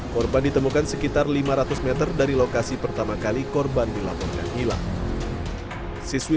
korban ditemukan sekitar lima ratus meter dari lokasi pertama kali korban dilaporkan hilang siswi